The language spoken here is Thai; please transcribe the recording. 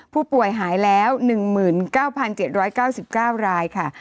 ผู้ป่วยหายแล้ว๑๙๗๙๙รายค่ะ